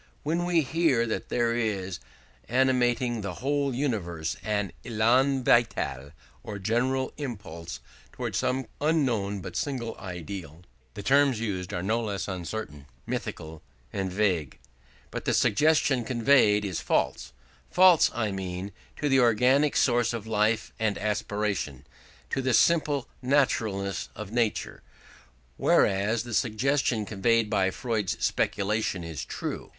When we hear that there is, animating the whole universe, an Élan vital, or general impulse toward some unknown but single ideal, the terms used are no less uncertain, mythical, and vague, but the suggestion conveyed is false false, I mean, to the organic source of life and aspiration, to the simple naturalness of nature: whereas the suggestion conveyed by Freud's speculations is true.